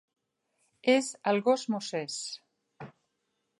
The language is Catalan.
És el gos Moses.